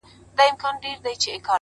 پر وجود څه ډول حالت وو اروا څه ډول وه”